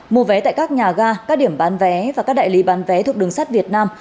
mua vé tại các nhà ga các điểm bán vé và các đại lý bán vé thuộc đường sắt việt nam